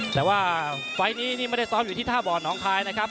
แต่ว่าไฟล์นี้นี่ไม่ได้ซ้อมอยู่ที่ท่าบ่อน้องคายนะครับ